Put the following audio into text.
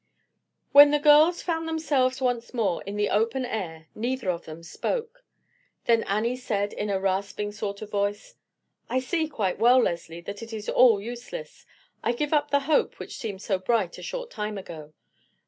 When the girls found themselves once more in the open air neither of them spoke. Then Annie said in a gasping sort of voice: "I see quite well, Leslie, that it is all useless. I give up the hope which seemed so bright a short time ago.